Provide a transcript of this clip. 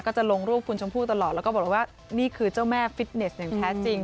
จะลงรูปคุณชมพู่ตลอดแล้วก็บอกว่านี่คือเจ้าแม่ฟิตเนสอย่างแท้จริง